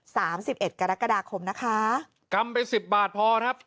สามสิบเอ็ดกรกฎาคมนะคะกำไปสิบบาทพอครับ